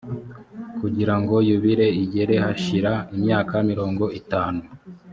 kugira ngo yubile igere hashira imyaka mirongo itanu